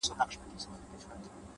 o سیاه پوسي ده؛ ماسوم یې ژاړي؛